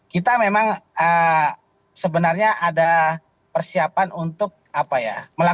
kita memang sebenarnya ada persiapan untuk apa ya